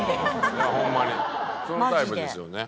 いやホンマにそのタイプですよね。